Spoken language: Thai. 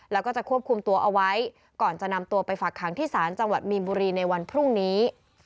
แล้วก็จะควบคุมตัวเอาไว้ก่อนจะนำตัวไปฝากขังที่ศาลจังหวัดมีนบุรีในวันพรุ่งนี้